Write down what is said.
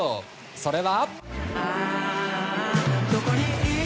それは。